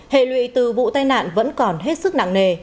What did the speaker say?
hệ lụy từ vụ tai nạn vẫn còn hết sức nặng nề